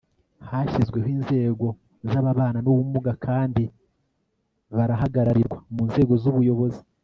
hashyizweho inzego z'ababana n'ubumuga kandi barahagararirwa mu nzego z'ubuyobozi